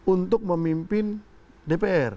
untuk memimpin dpr